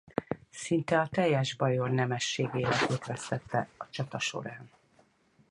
Szinte a teljes bajor nemesség életét vesztette a csata során.